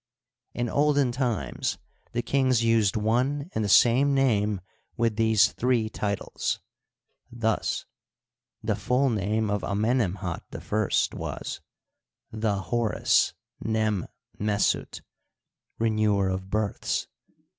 In olden times the kings used one and the same name with these three titles. Thus, the full name of Amenemhat I was : The Horus, Nem Mesut (Renewer of Births).